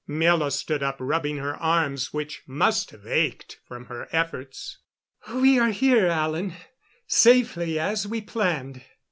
Miela stood up, rubbing her arms, which must have ached from her efforts. "We are here, Alan safely, as we planned."